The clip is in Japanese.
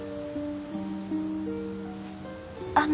あの。